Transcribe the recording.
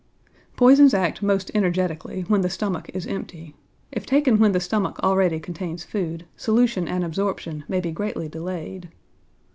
Poisons act most energetically when the stomach is empty. If taken when the stomach already contains food, solution and absorption may be greatly delayed.